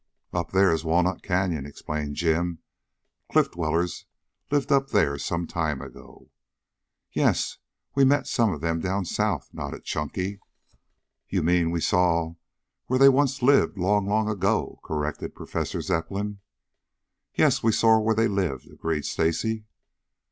"Up there is Walnut Canyon," explained Jim. "Cliff dwellers lived up there some time ago." "Yes, we met some of them down south," nodded Chunky. "You mean we saw where they once lived long, long ago," corrected Professor Zepplin. "Yes, we saw where they lived," agreed Stacy.